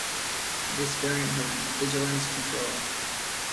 This variant has vigilance control.